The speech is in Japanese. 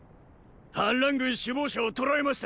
反乱軍首謀者を捕らえました！